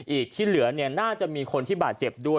อีกที่เหลือเนี่ยน่าจะมีคนที่บาดเจ็บด้วย